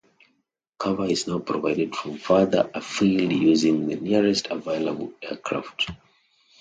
Cover is now provided from further afield using the nearest available aircraft.